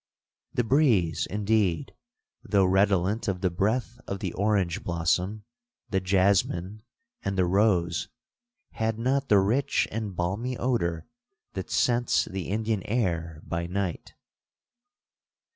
'The breeze, indeed, though redolent of the breath of the orange blossom, the jasmine, and the rose, had not the rich and balmy odour that scents the Indian air by night.